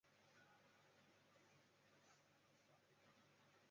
有二条河流